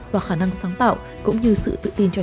và khả năng sáng tạo cũng như sự tự tin cho trẻ